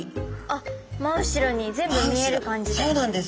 あっ真後ろに全部見える感じで。